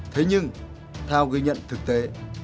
thế nhưng theo ghi nhận thực tế